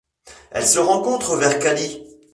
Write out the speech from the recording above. Elle se rencontre vers Cali.